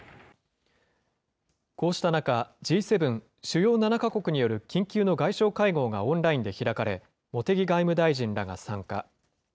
こうした中、Ｇ７・主要７か国による緊急の緊急の外相会合がオンラインで開かれ、茂木外務大臣らが参加。